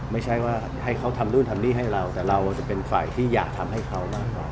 ไม่ใช่ว่าให้เขาทำนู่นทำนี่ให้เราแต่เราจะเป็นฝ่ายที่อยากทำให้เขามากกว่า